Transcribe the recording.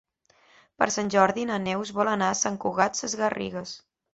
Per Sant Jordi na Neus vol anar a Sant Cugat Sesgarrigues.